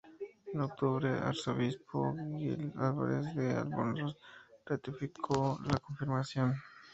En octubre el arzobispo Gil Álvarez de Albornoz ratificó la confirmación.